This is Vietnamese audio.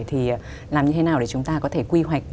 thì làm như thế nào để chúng ta có thể quy hoạch